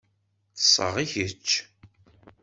Ṭṣeɣ, i kečč?